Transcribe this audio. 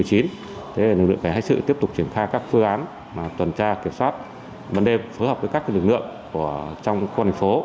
thế là lực lượng cảnh sát tiếp tục triển khai các phương án tuần tra kiểm soát ban đêm phối hợp với các lực lượng trong khuôn đình phố